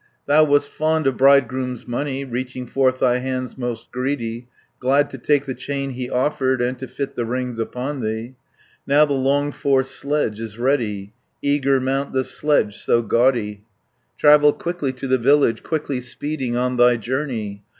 "Thou wast fond of bridegroom's money Reaching forth thy hands most greedy Glad to take the chain he offered, And to fit the rings upon thee. 60 Now the longed for sledge is ready, Eager mount the sledge so gaudy, Travel quickly to the village, Quickly speeding on thy journey.